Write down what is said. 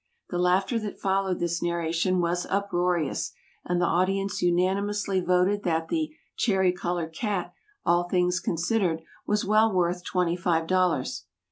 The laughter that followed this narration was uproarious, and the audience unanimously voted that the "cherry colored cat," all things considered, was well worth twenty five dollars.